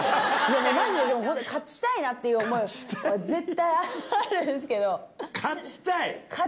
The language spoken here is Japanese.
まじで、でも本当、勝ちたいなっていう思いが、絶対あるんすけど。